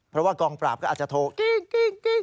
เพราะว่ากองปราบก็อาจจะโทรกิ้ง